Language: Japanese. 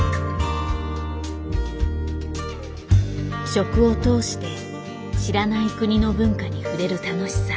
食を通して知らない国の文化に触れる楽しさ。